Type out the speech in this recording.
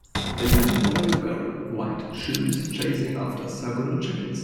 a young boy wearing white shoes chasing after several chickens